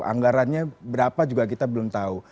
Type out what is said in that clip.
anggarannya berapa juga kita belum tahu